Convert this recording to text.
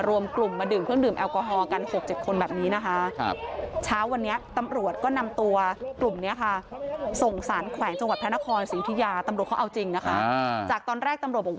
ต้องไปด้วยนะครับ